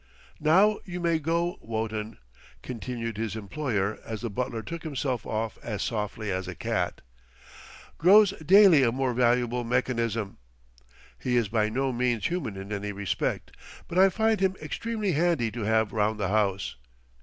"Now you may go.... Wotton," continued his employer as the butler took himself off as softly as a cat, "grows daily a more valuable mechanism. He is by no means human in any respect, but I find him extremely handy to have round the house....